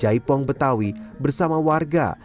baipong betawi bersama warga